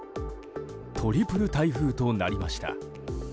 トリプル台風となりました。